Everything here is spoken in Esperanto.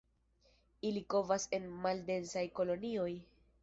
Ili kovas en maldensaj kolonioj.